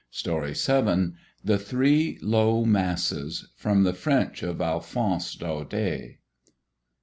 THE THREE LOW MASSES. From the French of ALPHONSE DAUDET.